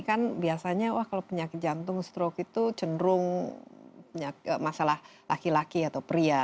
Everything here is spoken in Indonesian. kan biasanya wah kalau penyakit jantung stroke itu cenderung masalah laki laki atau pria